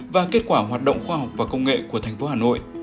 và kết quả hoạt động khoa học và công nghệ của thành phố hà nội